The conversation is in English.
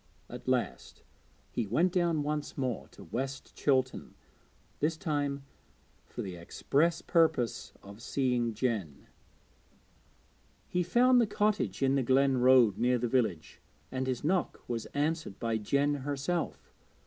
At last he went down once more to West Chilton, this time for the express purpose of seeing Jen. He found the cottage in the glen road near the village, and his knock was answered by Jen herself.